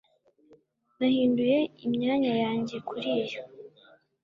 nahinduye imyanya yanjye kuriyo